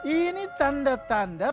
ini tanda tanda